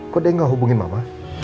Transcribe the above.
kok deh nggak hubungin mama